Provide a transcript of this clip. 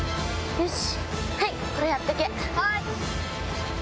よし。